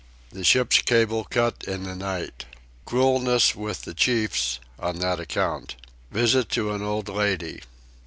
The Ship's Cable cut in the Night. Coolness with the Chiefs on that Account. Visit to an old Lady.